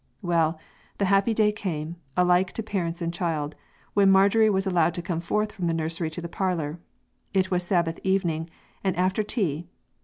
Well, the happy day came, alike to parents and child, when Marjorie was allowed to come forth from the nursery to the parlor. It was Sabbath evening, and after tea.